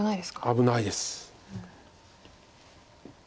危ないです。